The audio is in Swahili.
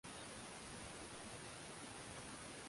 Hakuwahi kufanya kazi wala kumwona Baba wa Taifa